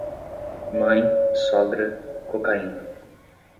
Mãe, sogra, cocaína.